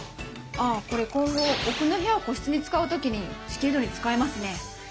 あっこれ今後奥の部屋を個室に使う時に仕切り戸に使えますね。